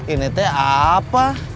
ini tuh apa